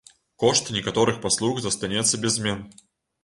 Кошт некаторых паслуг застанецца без змен.